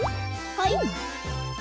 はい。